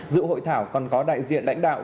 dự hội thảo còn có đại diện đảnh đạo